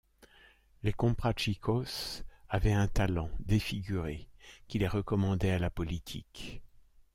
Les comprachicos avaient un talent, défigurer, qui les recommandait à la politique.